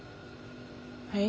はい？